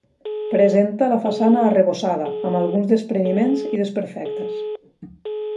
Presenta la façana arrebossada, amb alguns despreniments i desperfectes.